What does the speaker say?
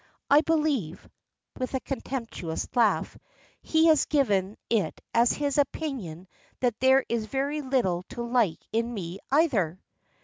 I believe," with a contemptuous laugh, "he has given it as his opinion that there is very little to like in me either."